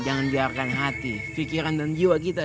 jangan biarkan hati pikiran dan jiwa kita